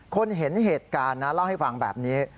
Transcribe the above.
คนเห็นเหตุการณ์นะเล่าให้ฟังแบบนี้